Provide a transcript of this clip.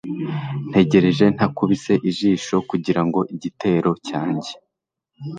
Ntegereje ntakubise ijisho kugirango igitero cyanjye